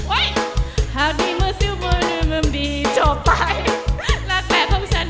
เฮ้ยหาดีเมื่อซิลโปนนือมันบีจบไปรักแม่ของฉัน